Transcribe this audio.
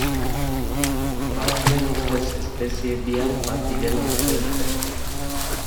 Batzuen ustez, espezie biak bat direla uste dute